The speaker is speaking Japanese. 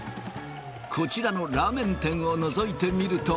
こちらのラーメン店をのぞいてみると。